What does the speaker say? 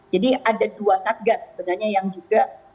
jadi ada dua satgas sebenarnya yang juga harus dicapai